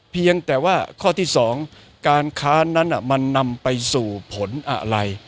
เพียงแต่ว่าข้อที่๒การค้านนั้นมันนำไปสู่ผลอะไร